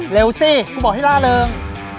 สิกูบอกให้ล่าเริง